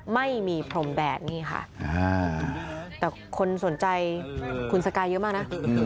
ไม่มีพรมแดดนี่ค่ะแต่คนสนใจคุณสกายเยอะมากนะ